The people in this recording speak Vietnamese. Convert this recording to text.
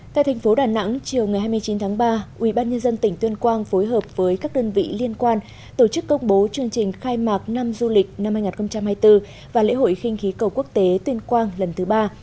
tại thành phố đà nẵng chiều ngày hai mươi chín tháng ba ubnd tỉnh tuyên quang phối hợp với các đơn vị liên quan tổ chức công bố chương trình khai mạc năm du lịch năm hai nghìn hai mươi bốn và lễ hội khinh khí cầu quốc tế tuyên quang lần thứ ba